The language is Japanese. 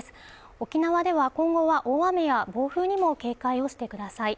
沖縄では今後は大雨や暴風にも警戒をしてください。